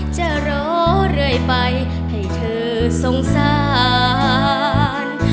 จะรอเรื่อยไปให้เธอสงสาร